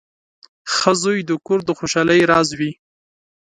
• ښه زوی د کور د خوشحالۍ راز وي.